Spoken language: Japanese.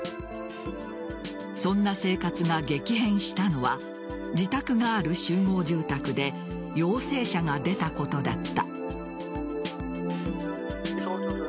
そんな生活が激変したのは自宅がある集合住宅で陽性者が出たことだった。